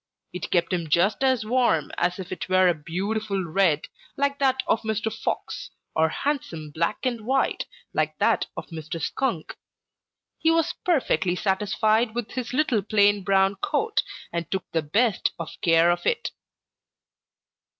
It kept him just as warm as if it were a beautiful red, like that of Mr. Fox, or handsome black and white, like that of Mr. Skunk. He was perfectly satisfied with his little plain brown coat and took the best of care of it.